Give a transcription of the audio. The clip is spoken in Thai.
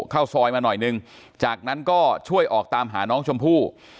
เข้าซอยมาหน่อยนึงจากนั้นก็ช่วยออกตามหาน้องชมพู่